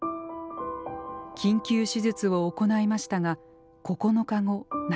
緊急手術を行いましたが９日後亡くなりました。